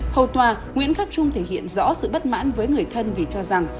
hầu tòa nguyễn khắc trung thể hiện rõ sự bất mãn với người thân vì cho rằng